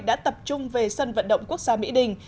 đã tập trung về sân vận động quốc gia mỹ đình